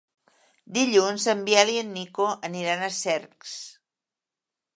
Dilluns en Biel i en Nico aniran a Cercs.